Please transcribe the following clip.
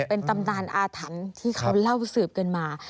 เป็นตำนานอาถรรพ์ที่เขาเล่าสืบกันมา